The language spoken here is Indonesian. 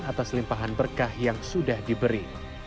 atas limpahan berkah yang sudah diberi